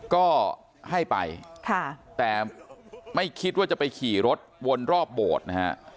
ก็ให้ไปแต่ไม่คิดว่าจะไปขี่รถวนรอบโบสถ์นะฮะ